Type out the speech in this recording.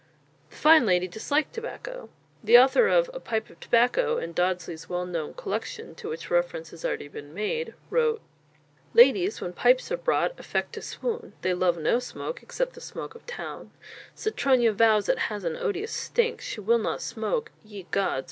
The fine lady disliked tobacco. The author of "A Pipe of Tobacco," in Dodsley's well known "Collection," to which reference has already been made, wrote: _Ladies, when pipes are brought, affect to swoon; They love no smoke, except the smoke of Town. Citronia vows it has an odious stink; She will not smoke (ye gods!)